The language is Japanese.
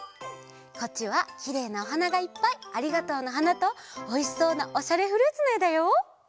こっちはきれいなおはながいっぱい「ありがとうの花」とおいしそうな「おしゃれフルーツ」のえだよ！